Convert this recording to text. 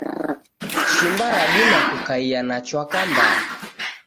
Shimba radima kukaia na chwaka mbaa.